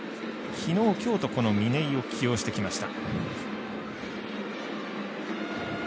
昨日、今日と嶺井を起用してきました。